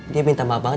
dia minta mbak banget